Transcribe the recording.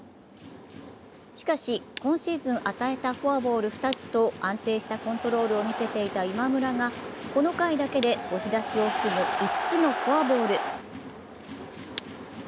しかし、今シーズン与えたフォアボール２つと安定したコントロールを見せていた今村がこの回だけで、押し出しを含む５つのフォアボール。